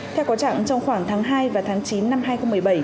theo có trạng trong khoảng tháng hai và tháng chín năm hai nghìn một mươi bảy